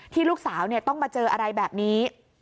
ที่ลูกสาวเนี่ยต้องมาเจออะไรแบบนี้